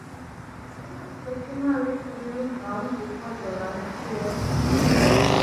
It was customary to kneel down before the last sheaf.